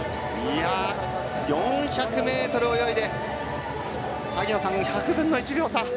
４００ｍ泳いで萩野さん１００分の１秒差。